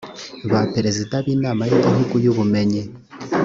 ba perezida b inama y igihugu y ubumenyi